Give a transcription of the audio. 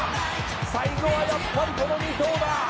「最後はやっぱりこの２頭だ」